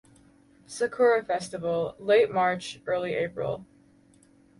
Sakura Festival: Late March-Early April.